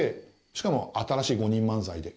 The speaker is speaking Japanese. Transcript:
しかも新しい５人漫才で。